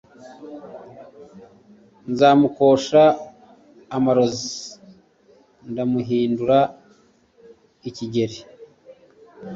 Nzomukoresha amarozi ndamuhindura igikeri.